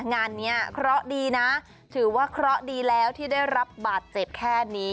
งานนี้เคราะห์ดีนะถือว่าเคราะห์ดีแล้วที่ได้รับบาดเจ็บแค่นี้